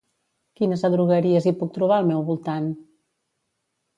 Quines adrogueries hi puc trobar al meu voltant?